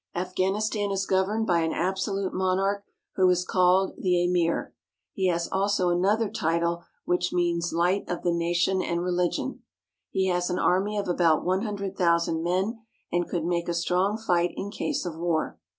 Afghanistan is governed by an absolute monarch, who is called "The Amir." He has also another title which means Light of the Nation and Religion." He has an army of about one hundred thousand men, and could make a strong fight in case of war.